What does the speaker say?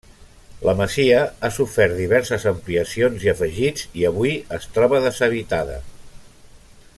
La masia ha sofert diverses ampliacions i afegits i avui es troba deshabitada.